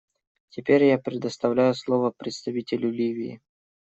Теперь я предоставляю слово представителю Ливии.